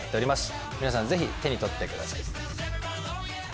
皆さんぜひ手に取ってください。